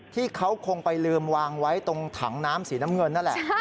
ที่เขาคงไปลืมวางไว้ตรงถังน้ำสีน้ำเงินนั่นแหละ